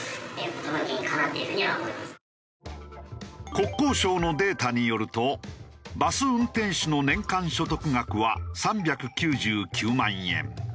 国交省のデータによるとバス運転手の年間所得額は３９９万円。